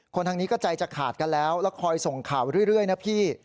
ทางนี้ก็ใจจะขาดกันแล้วแล้วคอยส่งข่าวเรื่อยนะพี่